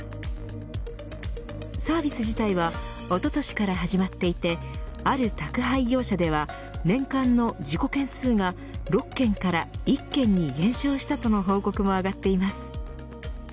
サービス自体はおととしから始まっていてある宅配業者では年間の事故件数が６件から１件に減少したとの報告も上がっています。